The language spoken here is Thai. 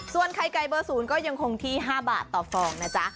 ส่วนไข่ไก่เบอร์๐ก็ยังคงที่๕บาทต่อฟองนะจ๊ะ